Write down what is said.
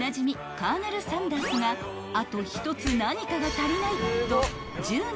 カーネル・サンダースがあと一つ何かが足りないと］